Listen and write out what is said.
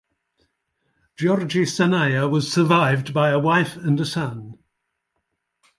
Giorgi Sanaia was survived by a wife and a son.